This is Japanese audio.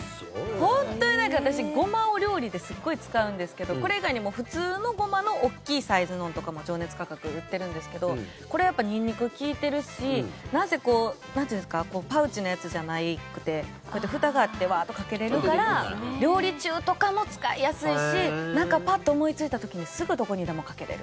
本当に私、ゴマを料理ですっごい使うんですけどこれ以外にも、普通のゴマの大きいサイズのとかも情熱価格、売ってるんですけどこれ、やっぱニンニク利いてるしなんせパウチのやつじゃなくてこうやってふたがあってワーッとかけられるから料理中とかも使いやすいしなんかパッと思いついた時にすぐどこにでもかけられる。